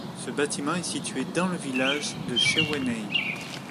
Ce bâtiment est situé dans le village de Schwenheim.